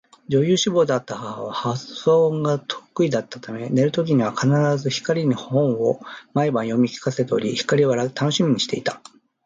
女優志望であった母は発声が得意だったため寝る時には必ず光に本を毎晩読み聞かせており、光は楽しみにしていた